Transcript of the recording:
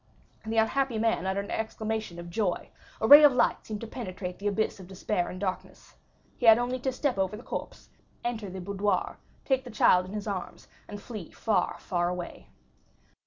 The unhappy man uttered an exclamation of joy; a ray of light seemed to penetrate the abyss of despair and darkness. He had only to step over the corpse, enter the boudoir, take the child in his arms, and flee far, far away.